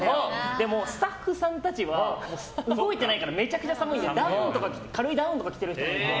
でも、スタッフさんたちは動いてないからめちゃくちゃ寒くて軽いダウンとか着てる人もいて。